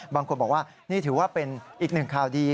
บางคนบอกว่านี่ถือว่าเป็นอีกหนึ่งข่าวดี